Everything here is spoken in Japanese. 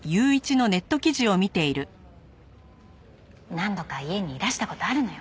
何度か家にいらした事あるのよ。